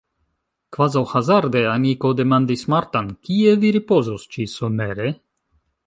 Kvazaŭ hazarde Aniko demandis Martan: Kie vi ripozos ĉi-somere?